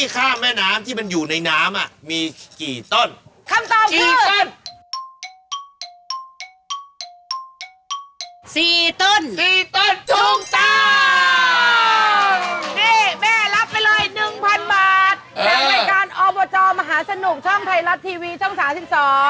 และบริการอบวจมหาสนุกช่องไทยรัตน์ทีวีช่องสาวสิ้น๒